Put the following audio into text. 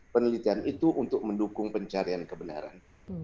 penelitian itu untuk mendukung pencarian kebenaran